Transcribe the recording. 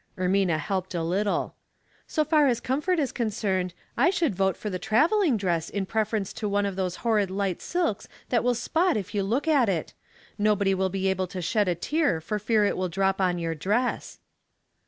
Ermina helped a little. " So far as comfort is concerned, I should \ote for the traveling dress in preference to one of those horrid light silks that will spot if you look at it. Nobody will be able to shed a tear for fear it will drop on your dress."